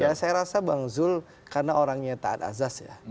ya saya rasa bang zul karena orangnya taat azaz ya